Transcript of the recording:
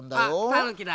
たぬきだ！